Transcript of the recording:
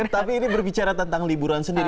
tapi ini berbicara tentang liburan sendiri